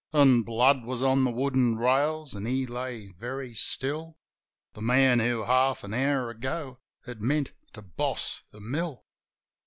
An' blood was on the wooden rails, an' he lay very still, The man who half an hour ago had meant to boss the mill